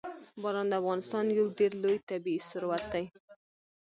باران د افغانستان یو ډېر لوی طبعي ثروت دی.